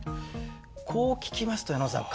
こう聞きますと矢野さん